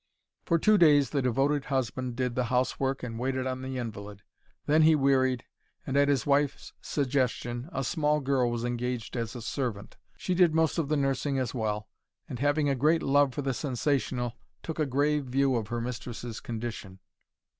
For two days the devoted husband did the housework and waited on the invalid. Then he wearied, and, at his wife's suggestion, a small girl was engaged as servant. She did most of the nursing as well, and, having a great love for the sensational, took a grave view of her mistress's condition.